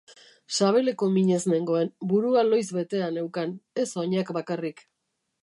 Sabeleko minez nengoen, burua lohiz betea neukan, ez oinak bakarrik.